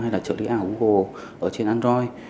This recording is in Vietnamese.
hay là trợ lý ảo google ở trên android